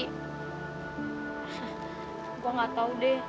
gue gak tau deh